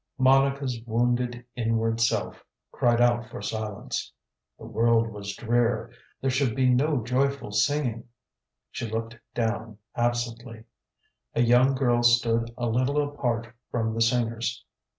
MONICA'S wounded inward self cried out for silence THE world was drear. There should be no joyful singing. SHE looked down absently. A young girl stood a little apart from the singers.